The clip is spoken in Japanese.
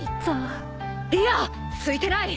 いやすいてない！